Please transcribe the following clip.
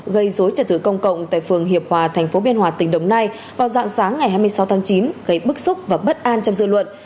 gây dối trả thử công cộng tại phường hiệp hòa tp biên hòa tỉnh đồng nai vào dạng sáng ngày hai mươi sáu tháng chín gây bức xúc và bất an trong dự luận